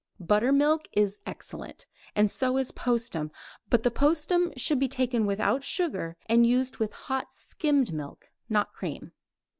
Buttermilk is excellent, and so is postum, but the postum should be taken without sugar and used with hot skimmed milk, not cream.